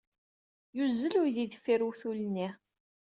Yuzzel uydi deffir uwtul-nni.